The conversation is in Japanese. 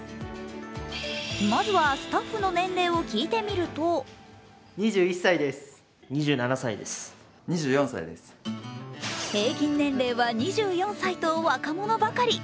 まずはスタッフの年齢を聞いてみると平均年齢は２４歳と若者ばかり。